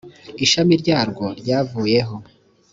ishami ryarwo ryavuyeho